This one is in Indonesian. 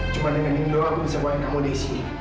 cuma dengan indra aku bisa buangin kamu dari sini